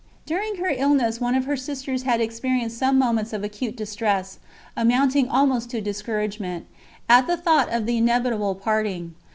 During her illness one of her sisters had experienced some moments of acute distress, amounting almost to discouragement, at the thought of the inevitable parting.